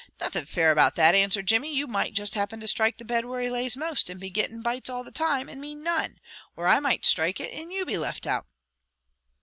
"Nothing fair about that," answered Jimmy. "You might just happen to strike the bed where he lays most, and be gettin' bites all the time, and me none; or I might strike it and you be left out.